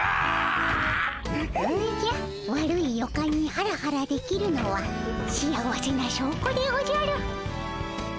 おじゃ悪い予感にハラハラできるのは幸せなしょうこでおじゃる。